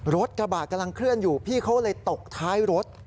รถกระบะกำลังเคลื่อนอยู่พี่เขาเลยตกท้ายรถ